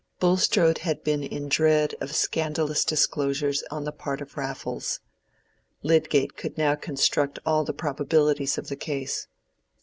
Bulstrode had been in dread of scandalous disclosures on the part of Raffles. Lydgate could now construct all the probabilities of the case.